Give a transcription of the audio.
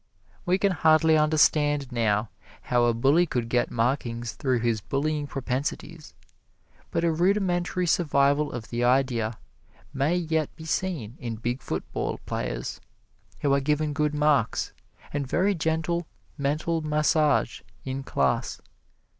We can hardly understand now how a bully could get markings through his bullying propensities; but a rudimentary survival of the idea may yet be seen in big football players, who are given good marks, and very gentle mental massage in class.